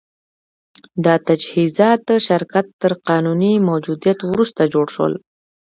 دا تجهیزات د شرکت تر قانوني موجودیت وروسته جوړ شول